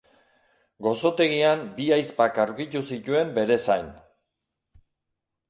Gozotegian bi ahizpak aurkitu zituen bere zain.